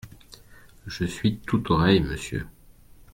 Je suis tout oreilles, monsieur.